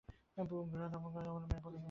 গৃহধর্ম করাটা তো মেয়ে মানুষের দরকার।